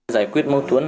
giải quyết mâu thuẫn